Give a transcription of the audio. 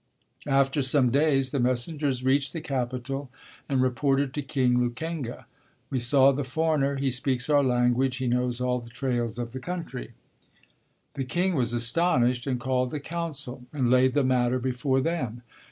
After some days the messengers reached the capital and reported to King Lukenga. "We saw the foreigner; he speaks our language, he knows all the trails of the country." The king was astonished and called a council and laid the matter before them.